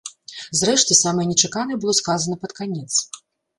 Зрэшты, самае нечаканае было сказана пад канец.